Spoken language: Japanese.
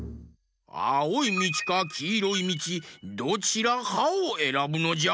あおいみちかきいろいみちどちらかをえらぶのじゃ。